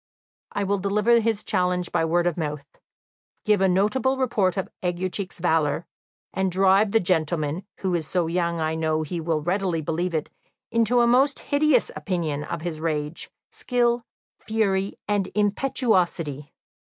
I will deliver his challenge by word of mouth, give a notable report of Aguecheek's valour, and drive the gentleman, who is so young I know he will readily believe it, into a most hideous opinion of his rage, skill, fury, and impetuosity.